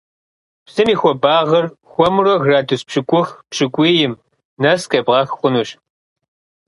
Псым и хуабагъыр хуэмурэ градус пщыкӀух – пщыкӀуийм нэс къебгъэх хъунущ.